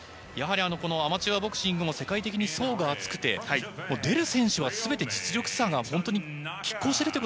アマチュアボクシングも世界的に層が厚くて出る選手はすべて実力差が拮抗しているという